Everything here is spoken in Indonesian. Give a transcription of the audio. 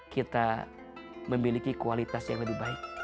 kita memiliki kualitas yang lebih baik